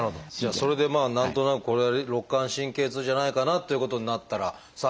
それで何となくこれは肋間神経痛じゃないかな？っていうことになったらさあ